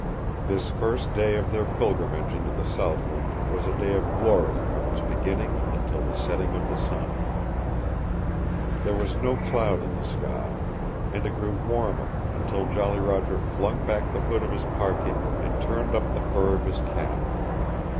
This first day of their pilgrimage into the southland was a day of glory from its beginning until the setting of the sun. There was no cloud in the sky. And it grew warmer, until Jolly Roger flung back the hood of his parkee and turned up the fur of his cap.